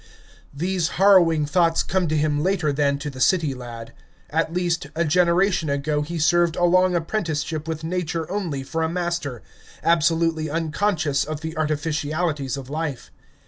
These harrowing thoughts come to him later than to the city lad. At least, a generation ago he served a long apprenticeship with nature only for a master, absolutely unconscious of the artificialities of life.